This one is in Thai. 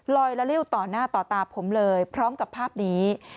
ละลิ้วต่อหน้าต่อตาผมเลยพร้อมกับภาพนี้